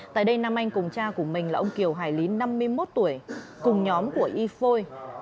tại đây nam anh cùng cha của mình là ông kiều hải lý năm mươi một tuổi cùng nhóm của y phôi